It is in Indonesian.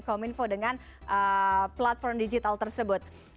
kominfo dengan platform digital tersebut